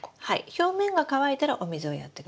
表面が乾いたらお水をやってください。